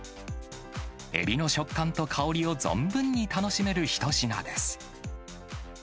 エビの食感と香りを存分に楽しめる一品です。